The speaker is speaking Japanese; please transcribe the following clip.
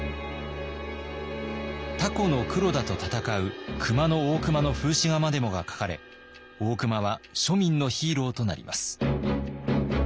タコの黒田と戦う熊の大隈の風刺画までもが描かれ大隈は庶民のヒーローとなります。